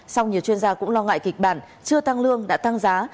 song nhiều chuyên gia cũng lo ngại kịch bản chưa tăng lương đã tăng giá